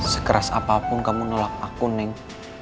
sekeras apapun kamu nolak aku ning